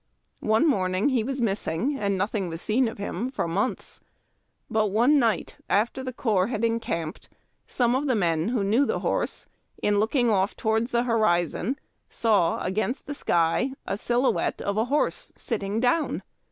One moi'iiing he was missing, and nothing was seen of him for months ; but one night, after the corps had encamped, some of the men, who knew the horse, in looking off towards the horizon, saw against the sky a silhouette of a horse sitting down.